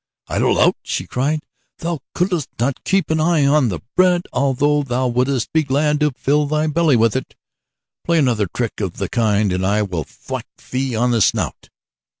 "Idle lout," she cried, "thou couldst not keep an eye to the bread although thou wouldst be glad to fill thy belly with it. Play another trick of the kind and I will thwack thee on the snout."